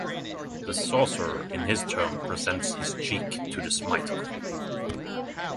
The sorcerer in his turn presents his cheek to the smiter.